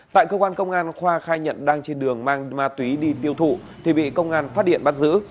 tại cơ quan công an khoa khai nhận đang trên đường mang ma túy đi tiêu thụ thì bị công an phát hiện bắt giữ